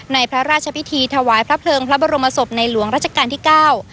ในพระราชพิธีถวายพระเพลิงพระบรมศพในหลวงราชการที่เก้า